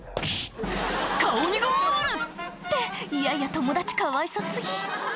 「顔にゴール！」っていやいや友達かわいそ過ぎ